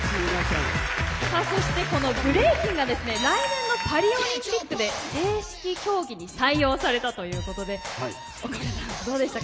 そしてブレイキンが来年のパリオリンピックで正式競技に採用されたということで岡村さん、どうでしたか？